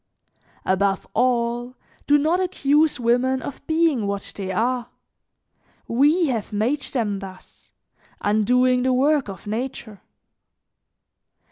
"Above all, do not accuse women of being what they are; we have made them thus, undoing the work of nature.